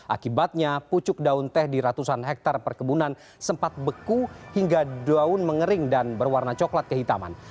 akibatnya pucuk daun teh di ratusan hektare perkebunan sempat beku hingga daun mengering dan berwarna coklat kehitaman